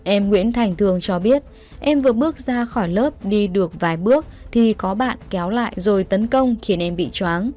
em nguyễn thành thường cho biết em vừa bước ra khỏi lớp đi được vài bước thì có bạn kéo lại rồi tấn công khiến em bị chóng